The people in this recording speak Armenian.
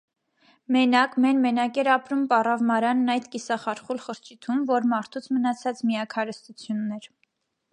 Մենակ, մեն-մենակ էր ապրում պառավ Մարանն այդ կիսախարխուլ խրճիթում, որ մարդուց մնացած միակ հարստությունն էր: